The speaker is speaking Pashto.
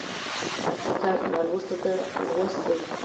اصلي کار نالوستو ته لوست دی.